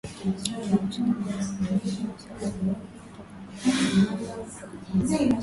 kiuchumi bila ya kutegemea misaada na mikopo kutoka mabara mengine ya ulaya Kutokana na